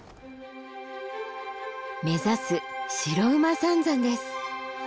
目指す白馬三山です。